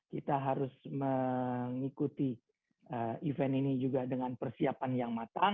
kita harus mengikuti event ini juga dengan persiapan yang matang